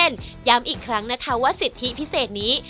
ย้ำอีกครั้งนะคะว่าสิทธิพิเศษนี้